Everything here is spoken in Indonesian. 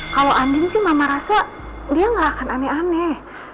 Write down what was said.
kalau andin sih mama rasa dia nggak akan aneh aneh